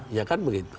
iya kan begitu